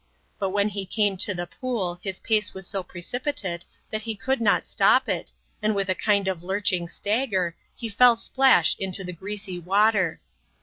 But when he came to the pool his pace was so precipitate that he could not stop it, and with a kind of lurching stagger, he fell splash into the greasy water.